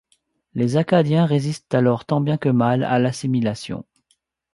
Les Acadiens résistent alors tant bien que mal à l'assimilation.